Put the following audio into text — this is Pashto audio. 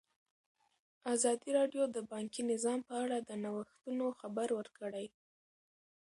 ازادي راډیو د بانکي نظام په اړه د نوښتونو خبر ورکړی.